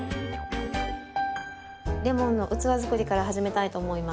レモンの器作りから始めたいと思います。